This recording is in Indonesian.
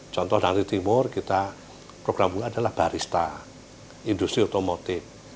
contoh dari timur kita program adalah barista industri otomotif